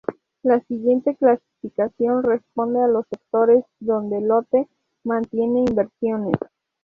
La siguiente clasificación responde a los sectores donde Lotte mantiene inversiones.